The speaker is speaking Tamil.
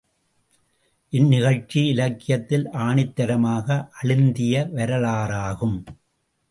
இந்நிகழ்ச்சி இலக்கியத்தில் ஆணித்தரமாக அழுந்திய வரலாறாகும்.